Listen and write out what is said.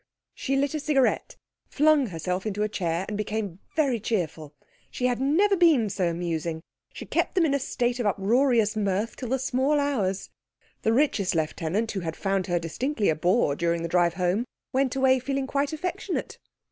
She lit a cigarette, flung herself into a chair, and became very cheerful. She had never been so amusing. She kept them in a state of uproarious mirth till the small hours. The richest lieutenant, who had found her distinctly a bore during the drive home, went away feeling quite affectionate.